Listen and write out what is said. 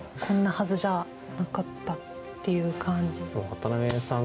渡辺さん